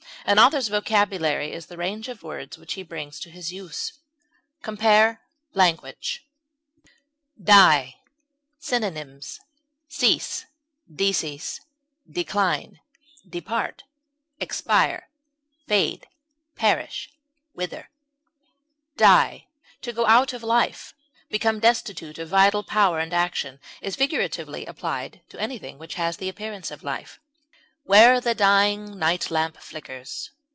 An author's vocabulary is the range of words which he brings into his use. Compare LANGUAGE. DIE. Synonyms: cease, decline, expire, perish, decease, depart, fade, wither. Die, to go out of life, become destitute of vital power and action, is figuratively applied to anything which has the appearance of life. Where the dying night lamp flickers.